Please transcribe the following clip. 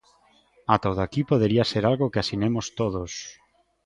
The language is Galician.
Ata o de aquí podería ser algo que asinemos todos.